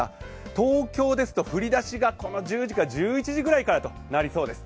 東京ですと振り出しが、１０時か１１時ぐらいとなりそうです。